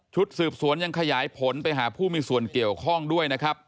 สืบสวนยังขยายผลไปหาผู้มีส่วนเกี่ยวข้องด้วยนะครับ